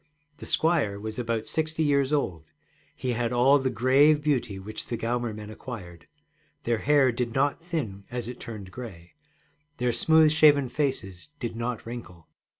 The squire was about sixty years old; he had all the grave beauty which the Gaumer men acquired. Their hair did not thin as it turned gray, their smooth shaven faces did not wrinkle.